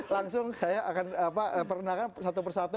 langsung saya akan perkenalkan satu persatu